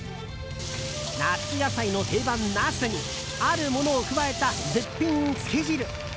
夏野菜の定番ナスにあるものを加えた絶品つけ汁。